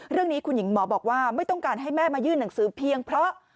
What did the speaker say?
เรื่องนี้คุณหญิงหมอบอกว่าไม่ต้องการให้แม่มายื่นหนังสือเพียงเพราะ